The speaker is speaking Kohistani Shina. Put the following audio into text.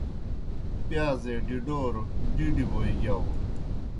پِیازے ڈِڈَوروْ ڈِڈیْ بوئے گِیاؤ۔